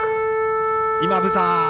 今、ブザー。